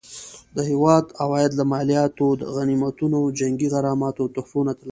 د هیواد عواید له مالیاتو، غنیمتونو، جنګي غراماتو او تحفو نه ترلاسه کېدل.